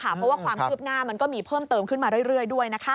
เพราะว่าความคืบหน้ามันก็มีเพิ่มเติมขึ้นมาเรื่อยด้วย